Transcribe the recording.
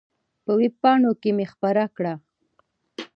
په وېب پاڼو کې مې خپره کړه.